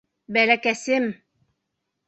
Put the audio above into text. Бәләкәсем!